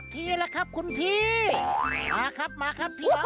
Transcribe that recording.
วิ่ง